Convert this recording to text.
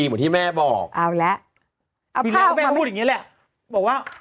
เหมือนที่แม่บอกเอาแล้วทีแรกก็แม่พูดอย่างเงี้แหละบอกว่า